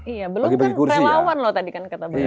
iya belum kan relawan loh tadi kan kata beliau